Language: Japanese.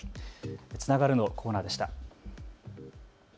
つながるのコーナーでした。